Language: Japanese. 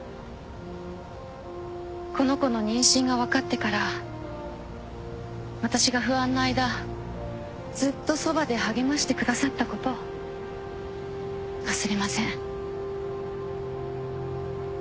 この子の妊娠が分かってから私が不安な間ずっとそばで励ましてくださったこと忘れません。